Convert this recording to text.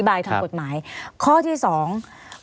หรือว่าแม่ของสมเกียรติศรีจันทร์